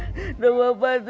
bapak itu pengen pisah atu tis